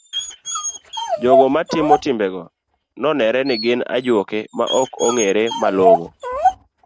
Jogo matimo timbego nenore ni gin ajuoke maok ong'ere malong'o.